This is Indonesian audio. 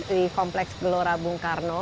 di kompleks gelora bung karno